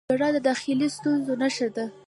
• ژړا د داخلي سوز نښه ده.